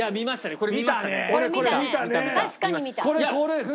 これ見たね。